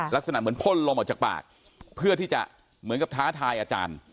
แบบพ่นลมออกจากปากเพื่อที่จะเหมือนกับท้าทายอาจารย์